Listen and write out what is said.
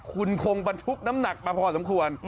คุณคงบรรทุกน้ำหนักมาพอสมควร